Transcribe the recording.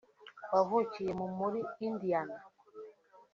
wavukiye mu muri Indiana